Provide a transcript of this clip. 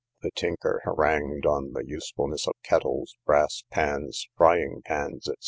The tinker harangued on the usefulness of kettles, brass pans, frying pans, &c.